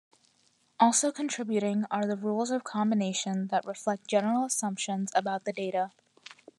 Also contributing are the rules of combination that reflect general assumptions about the data.